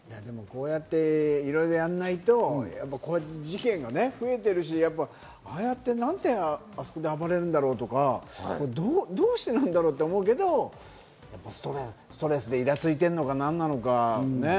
こうやっていろいろやらないと、事件が増えているし、ああやって、なんであそこで暴れるんだろうとか、どうしてなんだろう？って思うけど、ストレスでイラついてるのか、なんなのか。